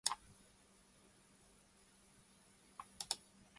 Alfred Israel later had the family name changed to Rayle.